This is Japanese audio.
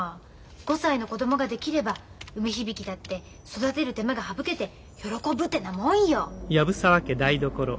５歳の子供ができれば梅響だって育てる手間が省けて喜ぶてなもんよ。